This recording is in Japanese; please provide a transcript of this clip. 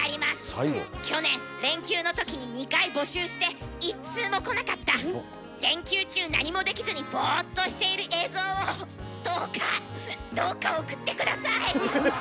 去年連休のときに２回募集して１通も来なかった連休中何もできずにボーっとしている映像をどうかウッどうか送って下さい！